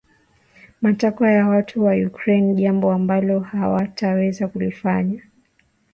matakwa ya watu wa Ukraine jambo ambalo hawataweza kulifanya